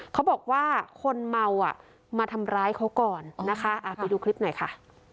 เขาบอกว่าคนเมาอ่ะมาทำร้ายเขาก่อนนะคะไปดูคลิปหน่อยค่ะ